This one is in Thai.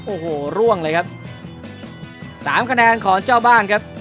โอ้โหร่วงเลยครับสามคะแนนของเจ้าบ้านครับ